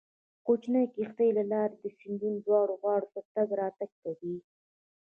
کوچنۍ کښتۍ له لارې د سیند دواړو غاړو ته تګ راتګ کوي